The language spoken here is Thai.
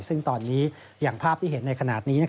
ซึ่งตอนนี้อย่างภาพที่เห็นในขณะนี้